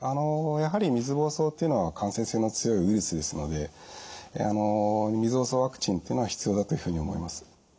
やはり水ぼうそうっていうのは感染性の強いウイルスですので水ぼうそうワクチンっていうのは必要だというふうに思います。